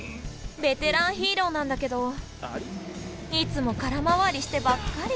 ベテランヒーローなんだけどいつも空回りしてばっかり。